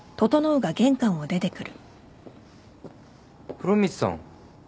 ・風呂光さん。